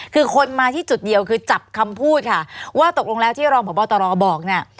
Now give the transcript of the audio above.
คือคนมาที่จุดเดียวคือจับคำพูดค่ะว่าตกลงแล้วที่รองพบตรบอกเนี่ย